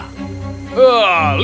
lihat di sana serigala